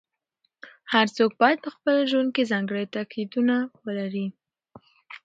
هر څوک بايد په خپل ژوند کې ځانګړي تاکتيکونه ولري.